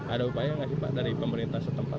ada upaya yang ngasih pak dari pemerintah setempat